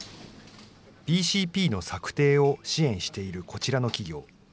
ＢＣＰの策定を支援しているこちらの企業。